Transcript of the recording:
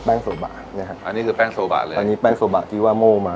ต้องนำเขาจากญี่ปุ่นเท่านั้น